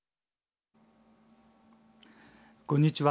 こんにちは。